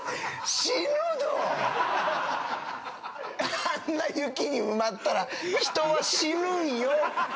あんな雪に埋まったら人は死ぬんよ